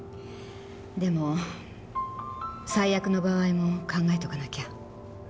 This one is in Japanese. でも最悪の場合も考えておかなきゃ。